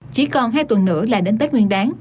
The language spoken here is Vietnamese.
chỉ còn hai tuần nữa là đến tết nguyên đáng